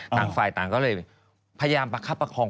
ต่างฝ่ายต่างก็เลยพยายามประคับประคอง